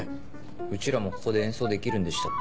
うちらもここで演奏できるんでしたっけ？